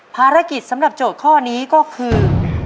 ภารกิจสำหรับโจทย์ข้อนี้ก็คือ